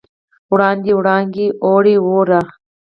وړاندې، وړانګې، اووړه، وړ